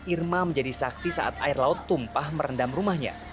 irma menjadi saksi saat air laut tumpah merendam rumahnya